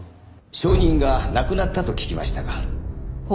証人が亡くなったと聞きましたが。